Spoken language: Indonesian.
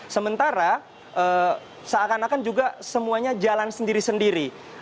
sementara seakan akan juga semuanya jalan sendiri sendiri